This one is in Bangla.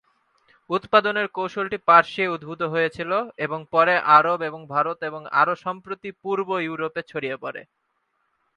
উৎপাদনের কৌশলটি পার্সিয়ায় উদ্ভূত হয়েছিল এবং এরপরে আরব এবং ভারত এবং আরও সম্প্রতি পূর্ব ইউরোপে ছড়িয়ে পড়ে।